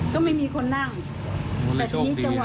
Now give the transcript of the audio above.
ก็ไม่มีคนนั่ง